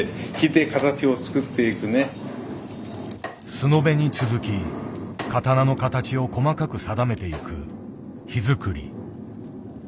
素延べに続き刀の形を細かく定めていく「火造り」。